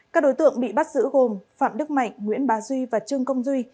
các đối tượng bị bắt giữ gồm phạm đức mạnh nguyễn bà duy và trương công duy